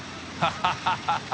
ハハハ